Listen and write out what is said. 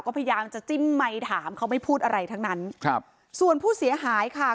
ก็พยายามจะจิ้มไมค์ถามเขาไม่พูดอะไรทั้งนั้นครับส่วนผู้เสียหายค่ะ